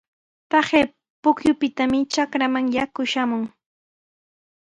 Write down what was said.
Taqay pukyupitami trakraaman yaku shamun.